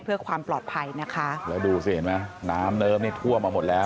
เพื่อความปลอดภัยนะคะแล้วดูสิเห็นไหมน้ำเนิ้มนี่ทั่วมาหมดแล้ว